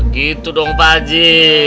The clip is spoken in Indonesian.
gitu dong pak aji